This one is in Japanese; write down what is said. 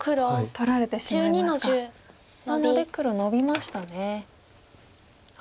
なので黒ノビましたね。